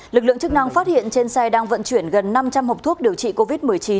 lực lượng chức năng phát hiện trên xe đang vận chuyển gần năm trăm linh hộp thuốc điều trị covid một mươi chín